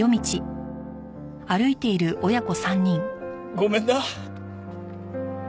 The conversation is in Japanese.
ごめんな。